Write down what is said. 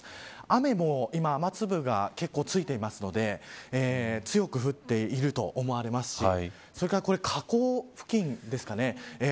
雨も雨粒がついていますので強く降っていると思われますしそれから河口付近ですかね。